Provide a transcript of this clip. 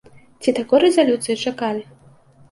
Ці такой рэзалюцыі чакалі?